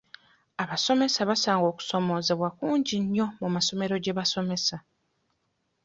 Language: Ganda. Abasomesa basanga okusoomoozebwa kungi nnyo mu masomero gye basomesa.